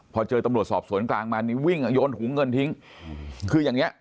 พอเจอตำรวจสอบสวนกลางมากลับวิ่งห์โดนถูกน้องเงินทิ้ง